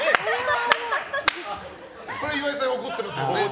岩井さん、これ怒ってますよね。